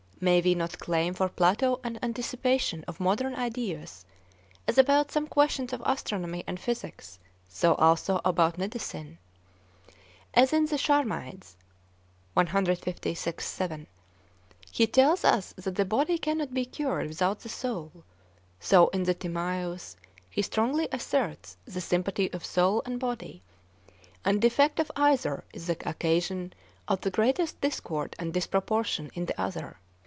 May we not claim for Plato an anticipation of modern ideas as about some questions of astronomy and physics, so also about medicine? As in the Charmides he tells us that the body cannot be cured without the soul, so in the Timaeus he strongly asserts the sympathy of soul and body; any defect of either is the occasion of the greatest discord and disproportion in the other.